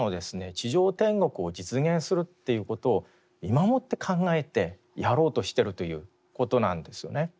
地上天国を実現するっていうことを今もって考えてやろうとしてるということなんですよね。